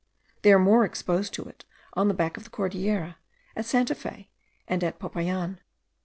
They are more exposed to it on the back of the Cordilleras, at Santa Fe, and at Popayan.